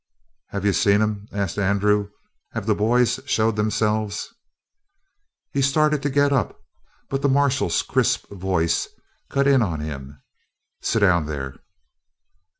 "Have you seen 'em?" asked Andrew. "Have the boys shown themselves?" He started to get up, but the marshal's crisp voice cut in on him. "Sit down there."